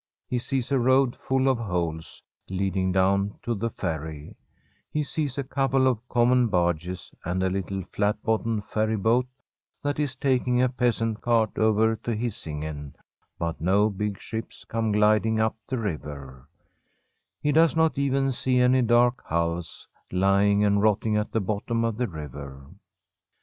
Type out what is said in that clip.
He sees a road full of holes leading down to the ferry ; he sees a couple of common barges and a little flat bottomed ferry boat that is taking a peasant cart over to Hisin Ein, but no big snips come gliding up the river, e does not even see any dark hulls lying and rotting at the bottom of the river.